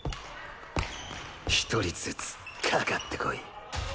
１人ずつかかってこい。